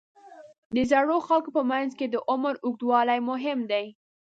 د زړو خلکو په منځ کې د عمر اوږدول مهم دي.